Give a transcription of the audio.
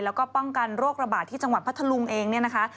แล้วก็ป้องกันโรคระบาดที่จังหวัดพัทธลุงเองเนี่ยนะคะ